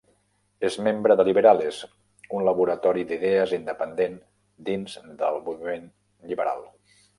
És membre de Liberales, un laboratori d'idees independent dins del moviment lliberal.